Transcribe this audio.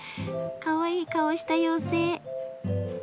かわいい顔した妖精。